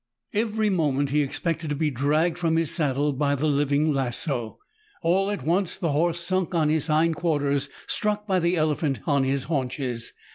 Every moment he expected to be dragged from his saddle by the living lasso. All at once the horse sunk on his hind quarters, struck by the elephant on his haunches.